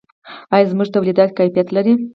آیا زموږ تولیدات کیفیت لري؟